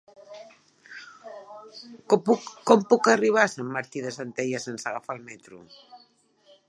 Com puc arribar a Sant Martí de Centelles sense agafar el metro?